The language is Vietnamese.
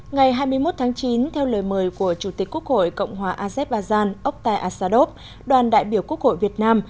ngày hai mươi một tháng chín theo lời mời của chủ tịch quốc hội cộng hòa azerbaijan oktay asadov đoàn đại biểu quốc hội việt nam